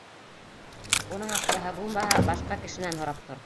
Уның аҡсаһы булмаһа, башҡа кешенән һорап тор.